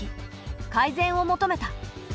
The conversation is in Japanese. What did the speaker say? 改善を求めた。